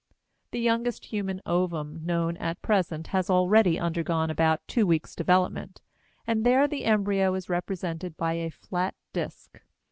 The youngest human ovum known at present has already undergone about two weeks' development, and there the embryo is represented by a flat disk.